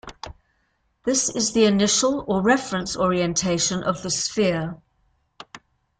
This is the initial or reference orientation of the sphere.